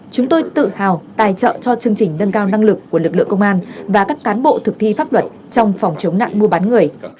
chúng tôi tự hào tài trợ cho chương trình nâng cao năng lực của lực lượng công an và các cán bộ thực thi pháp luật trong phòng chống nạn mua bán người